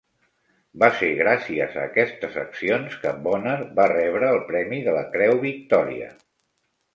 Va ser gràcies a aquestes accions que Bonner va rebre el premi de la Creu Victòria.